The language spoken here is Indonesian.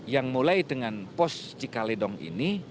yang mulai dengan pos cikaledong ini